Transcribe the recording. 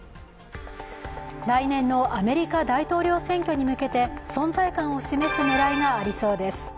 来年のアメリカ大統領選挙に向けて存在感を示す狙いがありそうです。